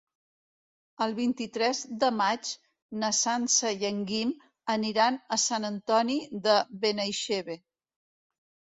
El vint-i-tres de maig na Sança i en Guim aniran a Sant Antoni de Benaixeve.